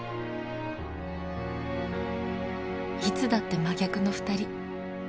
いつだって真逆の２人。